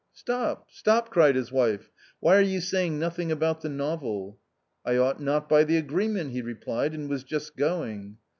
" Stop, stop," cried his wife; "why are you saying nothing about the novel ?" Ci I ought not by the agreement," he replied, and was just going.